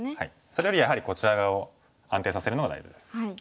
それよりやはりこちら側を安定させるのが大事です。